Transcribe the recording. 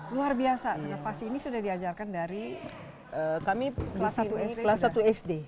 luar biasa karena fasi ini sudah diajarkan dari kelas satu sd